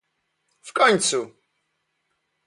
W końcu!